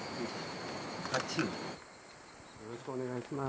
よろしくお願いします。